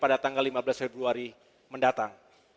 pada tanggal lima belas februari mendatang